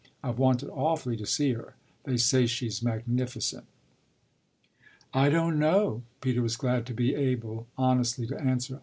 I've wanted awfully to see her. They say she's magnificent." "I don't know," Peter was glad to be able honestly to answer.